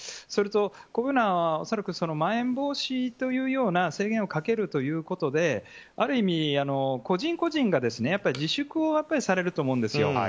それと恐らくまん延防止というような制限をかけるということである意味、個人個人が自粛をされると思うんですよ。